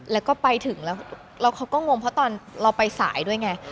แล้วก็ไปถึงแล้วเขาก็งงเพราะตอนเราไปสายด้วยไง